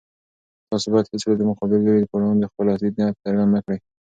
تاسو بايد هيڅکله د مقابل لوري په وړاندې خپل اصلي نيت څرګند نه کړئ.